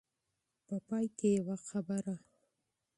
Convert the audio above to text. په پای کې يوه خبره.